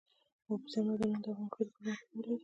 اوبزین معدنونه د افغان ښځو په ژوند کې رول لري.